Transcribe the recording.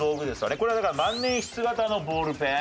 これはだから万年筆形のボールペン。